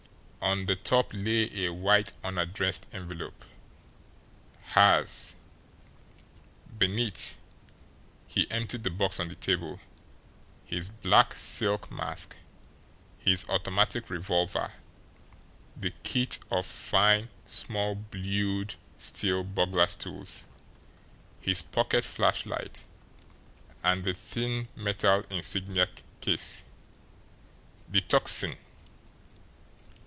On the top lay a white, unaddressed envelope. HERS! Beneath he emptied the box on the table his black silk mask, his automatic revolver, the kit of fine, small blued steel burglar's tools, his pocket flashlight, and the thin metal insignia case. The Tocsin!